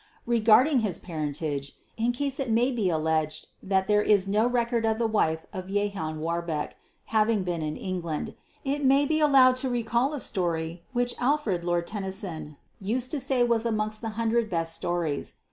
Regarding his parentage, in case it may be alleged that there is no record of the wife of Jehan Warbecque having been in England, it may be allowed to recall a story which Alfred, Lord Tennyson used to say was amongst the hundred best stories.